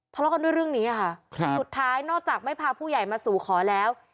ทะเลาะกันด้วยเรื่องนี้ค่ะครับสุดท้ายนอกจากไม่พาผู้ใหญ่มาสู่ขอแล้ว